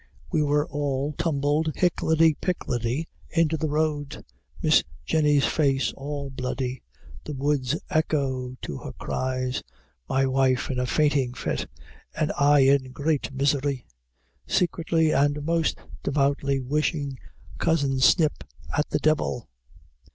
We were all tumbled hickledy pickledy, into the road Miss Jenny's face all bloody the woods echo to her cries my wife in a fainting fit and I in great misery; secretly and most devoutly wishing cousin Snip at the devil.